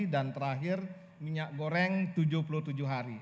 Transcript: dan terakhir minyak goreng tujuh puluh tujuh hari